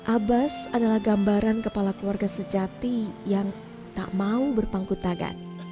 abas adalah gambaran kepala keluarga sejati yang tak mau berpangku tangan